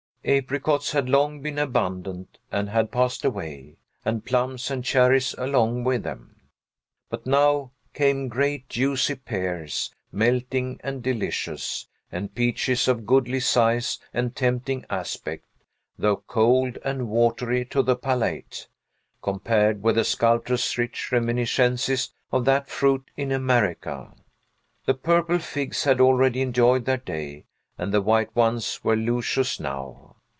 Apricots had long been abundant, and had passed away, and plums and cherries along with them. But now came great, juicy pears, melting and delicious, and peaches of goodly size and tempting aspect, though cold and watery to the palate, compared with the sculptor's rich reminiscences of that fruit in America. The purple figs had already enjoyed their day, and the white ones were luscious now.